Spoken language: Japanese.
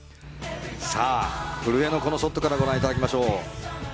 古江のこのショットからご覧いただきましょう。